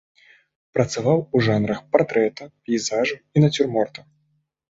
Працаваў у жанрах партрэта, пейзажу і нацюрморта.